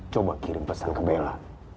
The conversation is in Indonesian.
coba kirim pesan ke bella